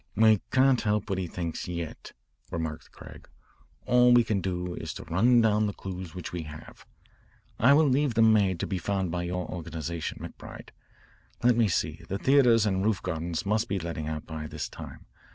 "We can't help what he thinks yet," remarked Craig. "All we can do is to run down the clues which we have. I will leave the maid to be found by your organisation, McBride. Let me see, the theatres and roof gardens must be letting out by this time.